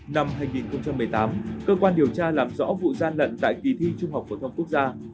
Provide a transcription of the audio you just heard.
năm hai nghìn một mươi tám cơ quan điều tra làm rõ vụ gian lận tại kỳ thi trung học phổ thông quốc gia